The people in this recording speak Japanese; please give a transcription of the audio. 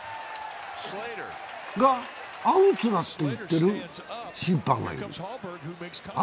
が、アウツだと言ってる審判がいる。